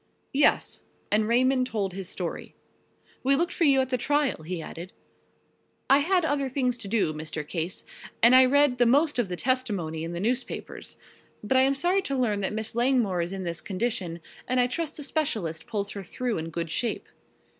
"Yes," and Raymond told his story. "We looked for you at the trial," he added. "I had other things to do, Mr. Case, and I read the most of the testimony in the newspapers. But I am sorry to learn that Miss Langmore is in this condition and I trust the specialist pulls her through in good shape."